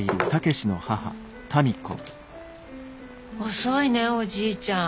遅いねおじいちゃん。